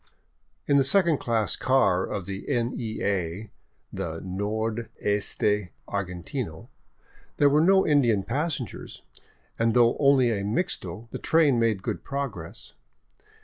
In the second class car of the " N.E.A.," the " Nord Este Argen tino," there were no Indian passengers, and though only a mixto, the train made good progress.